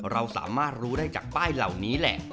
เราสามารถรู้ได้จากป้ายเหล่านี้แหละ